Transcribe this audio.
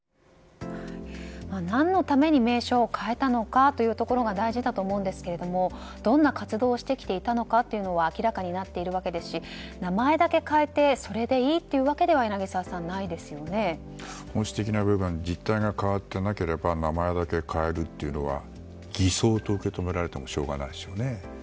何のために名称を変えたのかというところが大事だと思うんですけれどもどんな活動をしてきたのかは明らかになっているわけですし名前だけ変えてそれでいいというわけでは本質的な部分実態が変わっていなければ名前だけ変えるのは偽装と受け止められてもしょうがないですよね。